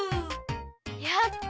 やった！